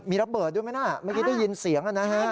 มีระเบิดด้วยไหมนะเมื่อกี้ได้ยินเสียงนะฮะ